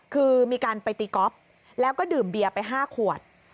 คือมีการไปตีก๊อฟแล้วก็ดื่มเบียร์ไป๕ขวด